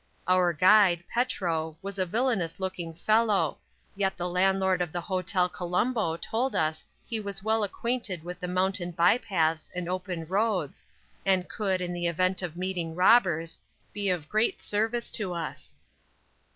Our guide, Petro, was a villainous looking fellow, yet the landlord of the Hotel Columbo told us he was well acquainted with the mountain bypaths and open roads, and could, in the event of meeting robbers, be of great service to us.